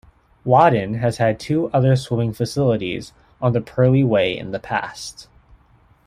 Waddon has had two other swimming facilities on the Purley Way in the past.